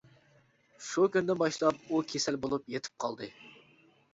شۇ كۈندىن باشلاپ ئۇ كېسەل بولۇپ يېتىپ قالدى.